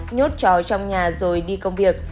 nhốt chó trong nhà rồi đi công việc